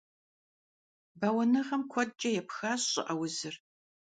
Бэуэныгъэм куэдкӀэ епхащ щӀыӀэ узыр.